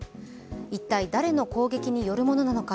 一体、誰の攻撃によるものなのか。